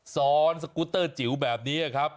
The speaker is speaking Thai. ซ้อนสกูตเตอร์จิ๋วแบบนี้ครับ